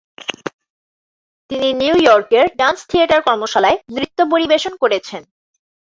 তিনি নিউইয়র্কের dance theatre কর্মশালায় নৃত্য পরিবেশন করেছেন।